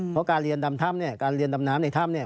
เพราะการเรียนดำถ้ำเนี่ยการเรียนดำน้ำในถ้ำเนี่ย